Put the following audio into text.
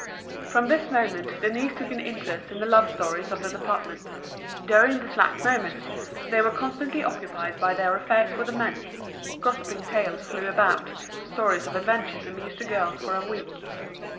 From this moment Denise took an interest in the love stories of the department. During the slack moments they were constantly occupied by their affairs with the men. Gossiping tales flew about, stories of adventures amused the girls for a week.